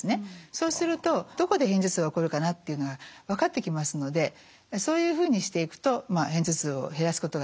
そうするとどこで片頭痛が起こるかなっていうのが分かってきますのでそういうふうにしていくと片頭痛を減らすことができるわけですね。